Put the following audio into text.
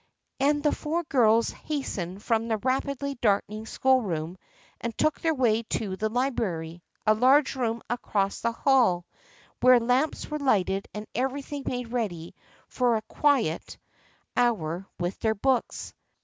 And the four girls hastened from the rapidly darkening schoolroom and took their way to the library, a large room across the hall where lamps were lighted and everything made ready for a quiet THE FKIENDSHIP OF ANNE 45 hour with their books.